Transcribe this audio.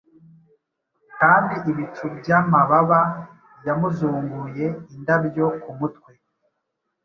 Kandi ibicu byamababa yamuzunguye indabyo kumutwe.